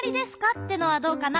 ってのはどうかな？